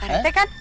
pak rete kan